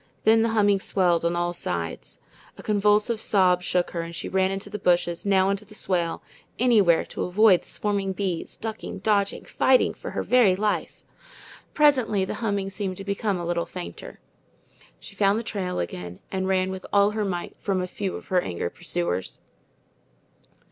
Then the humming swelled on all sides. A convulsive sob shook her, and she ran into the bushes, now into the swale, anywhere to avoid the swarming bees, ducking, dodging, fighting for her very life. Presently the humming seemed to become a little fainter. She found the trail again, and ran with all her might from a few of her angry pursuers.